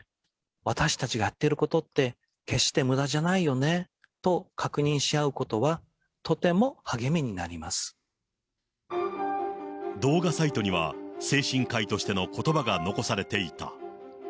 私たちがやってることって、決してむだじゃないよねと確認し合うことは、とても励みになりま動画サイトには、精神科医としてのことばが残されていた。